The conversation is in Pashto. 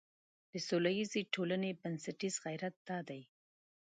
د سولیزې ټولنې بنسټیز غیرت دا دی.